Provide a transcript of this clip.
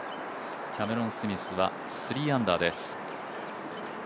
キャメロン・スミスは３アンダーです。